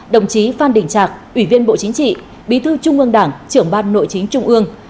đồng chí phan đình trạc ủy viên bộ chính trị bí thư trung ương đảng trưởng ban nội chính trung ương